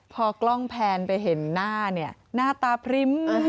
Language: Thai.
พอกล้องแพนไปเห็นหน้าเนี่ยหน้าตาพริ้ม